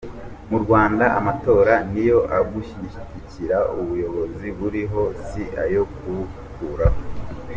Mu Rwanda amatora ni ayo gushigikira ubuyobozi buriho si ayo kubukuraho!